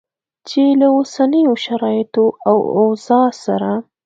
چې له اوسنیو شرایطو او اوضاع سره